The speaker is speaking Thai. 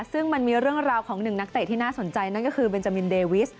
ซึ่งมันมีเรื่องราวของหนึ่งนักเตะที่น่าสนใจนั่นก็คือเบนจามินเดวิส